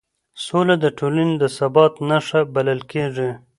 سوله د ټولنې د ثبات نښه بلل کېږي